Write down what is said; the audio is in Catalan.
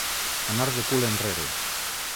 Anar de cul enrere.